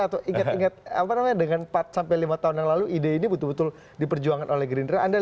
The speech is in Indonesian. atau ingat ingat apa namanya dengan empat sampai lima tahun yang lalu ide ini betul betul diperjuangkan oleh gerindra